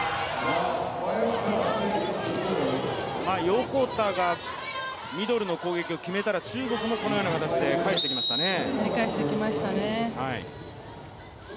横田がミドルの攻撃を決めたら中国もこのような形で返してきましたね。